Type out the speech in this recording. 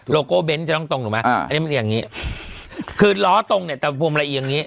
โก้เบ้นจะต้องตรงถูกไหมอ่าอันนี้มันอย่างงี้คือล้อตรงเนี่ยตะภูมิละเอียงอย่างงี